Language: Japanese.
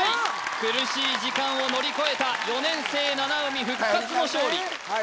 苦しい時間を乗り越えた４年生七海復活の勝利はい